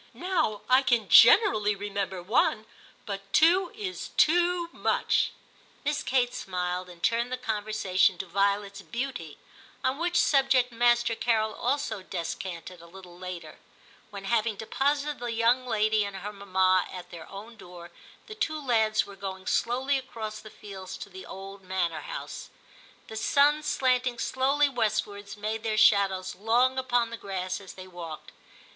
Now I VIII TIM 179 can generally remember one, but two is too much/ Miss Kate smiled, and turned the conver sation to Violet's beauty ; on which subject Master Carol also descanted a little later, when, having deposited the young lady and her mamma at their own door, the two lads were going slowly across the fields to the old manor house. The sun slanting slowly west wards made their shadows long upon the grass as they walked.